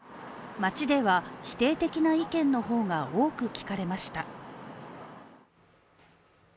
街では否定的な意見の方が多く聞かれました。